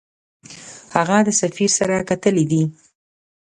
هغه د سفیر سره کتلي دي.